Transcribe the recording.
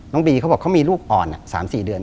บีเขาบอกเขามีลูกอ่อน๓๔เดือน